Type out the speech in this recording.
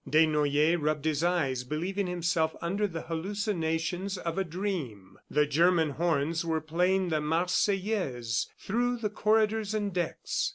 Desnoyers rubbed his eyes believing himself under the hallucinations of a dream. The German horns were playing the Marseillaise through the corridors and decks.